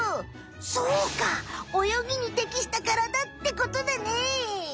そうか泳ぎに適したカラダってことだね！